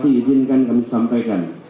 terima kasih izinkan kami sampaikan